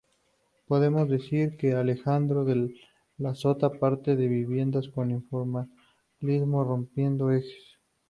Podemos decir que Alejandro de la Sota parte de viviendas con informalismo, rompiendo ejes.